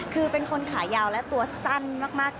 คือเป็นคนขายาวและตัวสั้นมาก